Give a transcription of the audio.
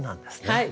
はい。